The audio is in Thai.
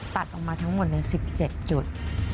ตัดออกมาทั้งหมดใน๑๗จุด